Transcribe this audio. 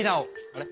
あれ？